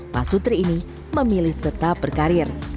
pak sutri ini memilih tetap berkarir